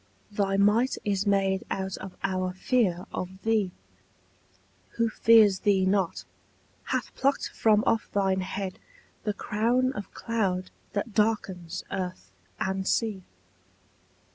Thy might is made out of our fear of thee: Who fears thee not, hath plucked from off thine head The crown of cloud that darkens earth and sea.